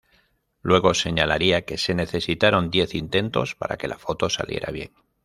Luego señalaría que se necesitaron diez intentos para que la foto saliera bien.